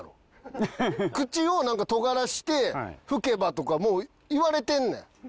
口をとがらせて吹けばとかもう言われてんねん。